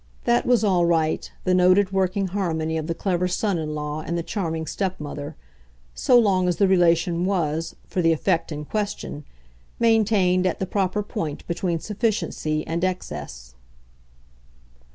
That was all right, the noted working harmony of the clever son in law and the charming stepmother, so long as the relation was, for the effect in question, maintained at the proper point between sufficiency and excess.